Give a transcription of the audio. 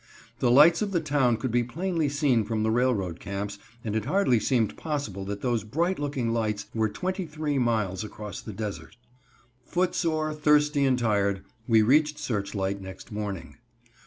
The lights of the town could be plainly seen from the railroad camps, and it hardly seemed possible that those bright looking lights were twenty three miles across the desert. Footsore, thirsty and tired we reached Searchlight next morning.